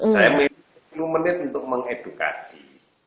saya memilih sepuluh menit untuk mengedukasi